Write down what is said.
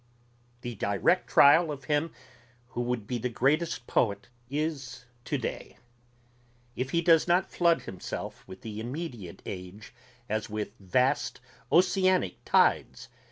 The direct trial of him who would be the greatest poet is to day. If he does not flood himself with the immediate age as with vast oceanic tides